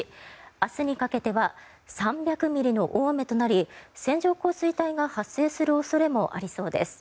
明日にかけては３００ミリの大雨となり線状降水帯が発生する恐れもありそうです。